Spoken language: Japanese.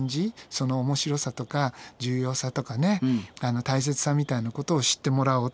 その面白さとか重要さとかね大切さみたいなことを知ってもらおうっていうね